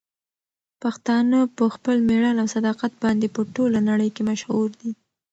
پښتانه په خپل مېړانه او صداقت باندې په ټوله نړۍ کې مشهور دي.